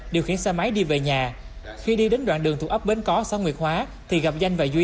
điều khiển xe máy đi về nhà khi đi đến đoạn đường thuộc ấp bến có xã nguyệt hóa thì gặp danh và duy